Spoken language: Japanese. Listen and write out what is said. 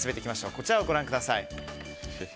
こちらをご覧ください。